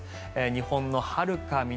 日本のはるか南